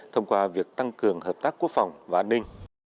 thông qua việc tăng cường hợp tác quốc phòng và an ninh